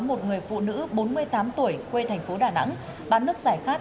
một người phụ nữ bốn mươi tám tuổi quê thành phố đà nẵng bán nước giải khát